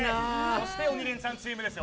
そして鬼レンチャンチームです。